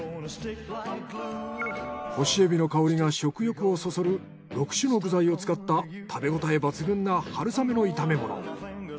干しエビの香りが食欲をそそる６種の具材を使った食べ応え抜群な春雨の炒め物。